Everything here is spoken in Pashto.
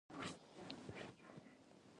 بکس زما دی